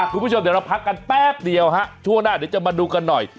คุณผู้ชมเดี๋ยวเราพักกันแป๊บเดียวฮะช่วงหน้าเดี๋ยวจะมาดูกันหน่อย